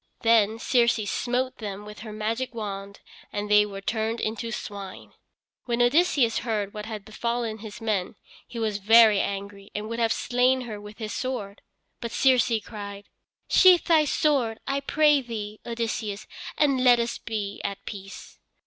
Then Circe smote them with her magic wand and they were turned into swine. When Odysseus heard what had befallen his men he was very angry and would have slain her with his sword. But Circe cried: "Sheathe thy sword, I pray thee, Odysseus, and let us be at peace."